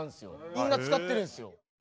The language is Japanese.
みんな使ってるんですよ。